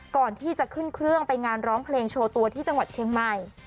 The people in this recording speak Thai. ก่อนที่จะขึ้นเครื่องไปงานร้องเพลงโชว์ตัวที่จังหวัดเชียงใหม่